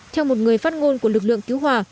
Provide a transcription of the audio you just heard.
theo một người phát ngôn của lực lượng cứu hỏa